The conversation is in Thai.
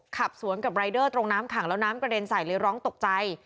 ขับสวนกับรายเดอร์ตรงน้ำขังแล้วน้ำกระเด็นใสเลยร้องตกใจ